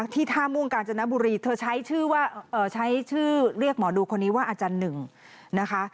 ที่ท่ามุ่งกาญจนบุรีเธอใช้ชื่อเรียกหมอดูคนนี้ว่าอาจารย์หนึ่งนะคะ